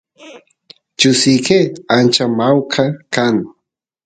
chusiyke ancha mawka kan